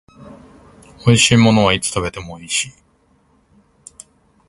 美味しいものはいつ食べても美味しい